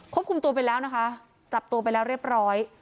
คุมตัวไปแล้วนะคะจับตัวไปแล้วเรียบร้อย